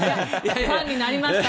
ファンになりました。